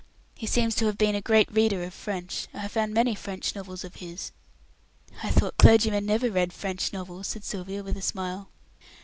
"He seems to have been a great reader of French. I have found many French novels of his." "I thought clergymen never read French novels," said Sylvia, with a smile.